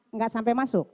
enggak sampai masuk